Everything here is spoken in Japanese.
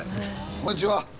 こんにちは。